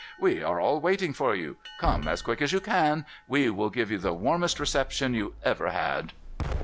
"We are all waiting for you. Come as quick as you can. We will give you the warmest reception you ever had."